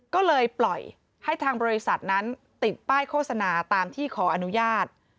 ก็เลยปล่อยให้ทางบริษัทนั้นติดป้ายโฆษณาตามที่ขออนุญาต